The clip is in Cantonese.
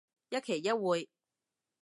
一期一會